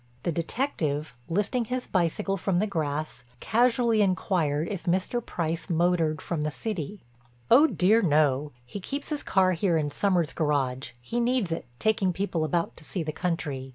The detective, lifting his bicycle from the grass, casually inquired if Mr. Price motored from the city. "Oh, dear no. He keeps his car here in Sommers' garage—he needs it, taking people about to see the country.